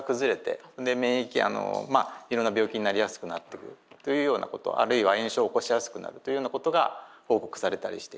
あのまあいろいろな病気になりやすくなってくるというようなことあるいは炎症を起こしやすくなるというようなことが報告されたりしています。